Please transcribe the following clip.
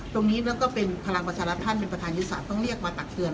ตรงนี้แล้วก็เป็นพลังปัจฉรัฐท่านแ่ประธานยุติศาลต้องเรียกมาตักเถิด